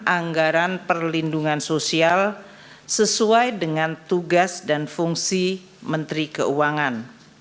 anggaran perlindungan sosial sesuai dengan tugas dan fungsi menteri keuangan